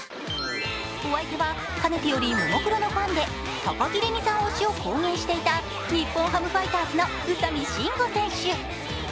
お相手は、かねてよりももクロのファンで高城れにさん推しを公言していた日本ハムファイターズの宇佐見真吾選手。